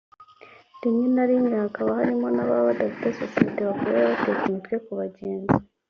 rimwe na rimwe hakaba harimo n’ababa badafite sosiyete bakorera bateka imitwe ku bagenzi